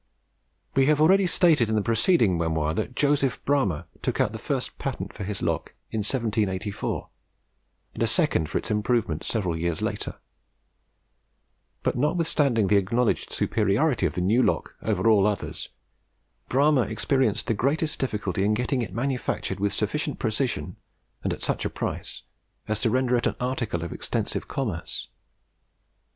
We have already stated in the preceding memoir, that Joseph Bramah took out the first patent for his lock in 1784, and a second for its improvement several years later; but notwithstanding the acknowledged superiority of the new lock over all others, Bramah experienced the greatest difficulty in getting it manufactured with sufficient precision, and at such a price as to render it an article of extensive commerce.